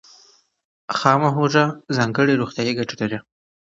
خامه هوږه ځانګړې روغتیایي ګټې لري.